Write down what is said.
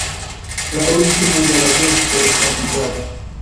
La origino de la gesto estas neklara.